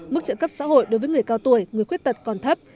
mức trợ cấp xã hội đối với người cao tuổi người khuyết tật còn thấp